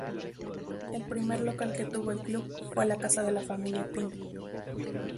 El primer local que tuvo el club fue la casa de la familia Pino.